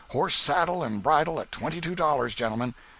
—horse, saddle and bridle at twenty two dollars, gentlemen!"